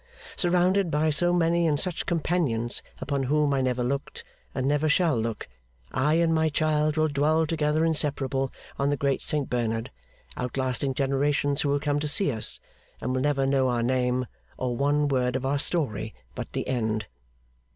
'Surrounded by so many and such companions upon whom I never looked, and never shall look, I and my child will dwell together inseparable, on the Great Saint Bernard, outlasting generations who will come to see us, and will never know our name, or one word of our story but the end.